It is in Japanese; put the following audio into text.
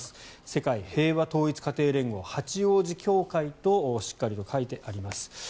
世界平和統一家庭連合八王子教会としっかりと書いてあります。